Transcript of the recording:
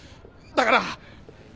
だから。